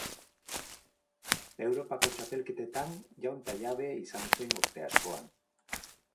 Europako txapelketetan jaun eta jabe izan zen urte askoan.